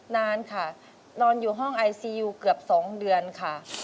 นานค่ะนอนอยู่ห้องไอซียูเกือบ๒เดือนค่ะ